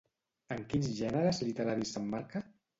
En quins gèneres literaris s'emmarca?